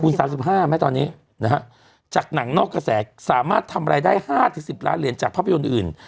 คุณ๓๕ไหมตอนนี้นะฮะจากหนังนอกกระแสสามารถทำรายได้๕๑๐ล้านเหรียญจากภาพยนตร์อื่น